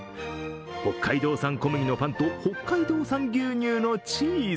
北海道産小麦のパンと北海道産牛乳のチーズ。